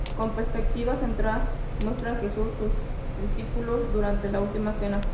Con perspectiva central muestra a Jesús y sus discípulos durante la Última Cena.